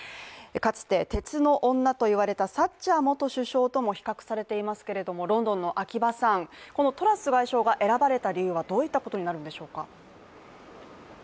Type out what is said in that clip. かつて鉄の女と言われたサッチャー元首相とも比較されていますけれども、ロンドンの秋場さん、このトラス外相が選ばれた理由はどういったことになるんでしょうか。